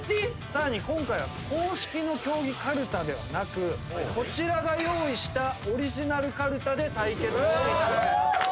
さらに今回は公式の競技かるたではなくこちらが用意したオリジナルかるたで対決していただきます